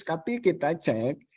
tapi kita cek